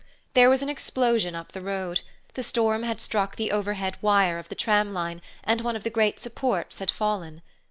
There was an explosion up the road. The storm had struck the overhead wire of the tramline, and one of the great supports had fallen.